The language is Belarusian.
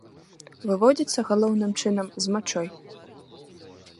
Выводзіцца, галоўным чынам, з мачой.